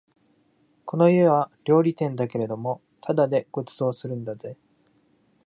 この家は料理店だけれどもただでご馳走するんだぜ